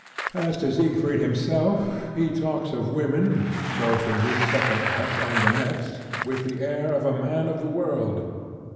As to Siegfried himself, he talks of women, both in this second act and the next, with the air of a man of the world.